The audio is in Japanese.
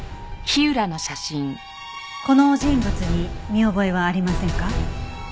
この人物に見覚えはありませんか？